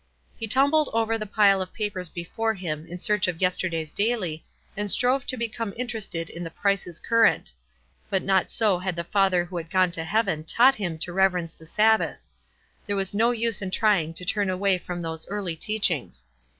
He tumbled over the pile of papers before him in search of yesterday's daily, and strove to be come interested in the prices current ; but not so had the father who had gone to heaven taught him to reverence the Sabbath, — there was no use in trying to turn away from those early teachings.